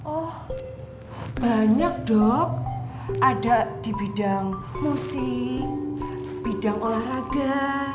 oh banyak dok ada di bidang musik bidang olahraga